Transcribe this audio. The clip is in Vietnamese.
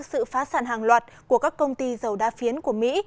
sự phá sản hàng loạt của các công ty dầu đa phiến của mỹ